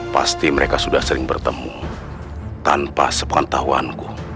pasti mereka sudah sering bertemu tanpa sepakat tahuanku